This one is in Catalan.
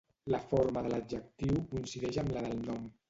La forma de l'adjectiu coincideix amb la del nom.